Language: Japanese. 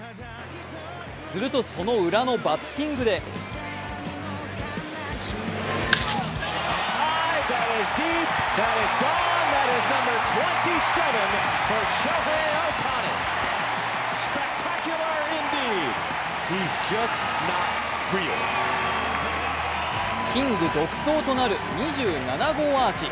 するとそのウラのバッティングでキング独走となる２７号アーチ。